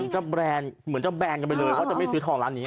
จะแบรนด์เหมือนจะแบรนด์กันไปเลยว่าจะไม่ซื้อทองร้านนี้